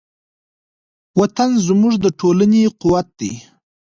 وطن زموږ د ټولنې قوت دی.